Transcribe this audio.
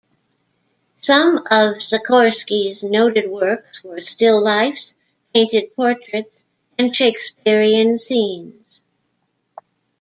Some of Czachorski's noted works were: still lifes, painted portraits, and Shakespearean scenes.